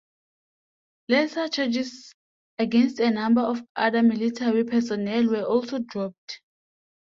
Lesser charges against a number of other military personnel were also dropped.